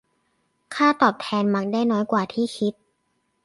ค่าตอบแทนมักได้น้อยกว่าที่คิด